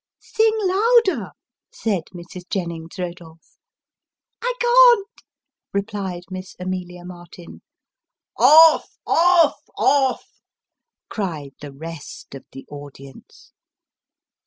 ' Sing louder," said Mrs. Jennings Kodolph. ' I can't," replied Miss Amelia Martin. ' OS, off, off," cried the rest of the audience.